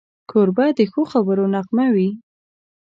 کوربه د ښو خبرو نغمه وي.